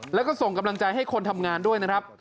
แล้วก็ส่งกำลังใจให้คนทำงานด้วยนะครับ